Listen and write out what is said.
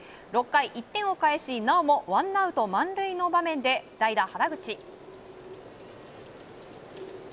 ６回１点を返し、なおも１アウト満塁の場面で代打、原口。